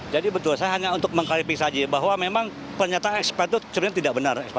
jadi betul saya hanya untuk mengkaripi saja bahwa memang pernyataan ekspire itu sebenarnya tidak benar